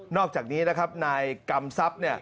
อกจากนี้นะครับนายกำทรัพย์